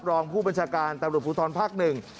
รองผู้บัญชาการตำรวจภูทรภาคหนึ่ง